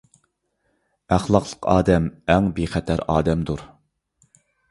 ئەخلاقلىق ئادەم ئەڭ بىخەتەر ئادەمدۇر.